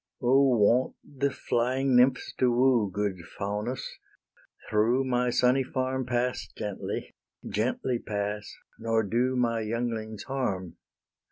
O wont the flying Nymphs to woo, Good Faunus, through my sunny farm Pass gently, gently pass, nor do My younglings harm.